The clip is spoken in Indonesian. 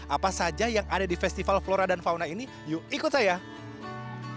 apa saja yang ada di festival flora dan fauna ini yuk ikut saya